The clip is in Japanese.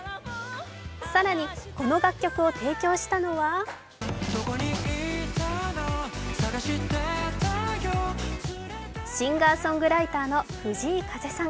更に、この楽曲を提供したのはシンガーソングライターの藤井風さん。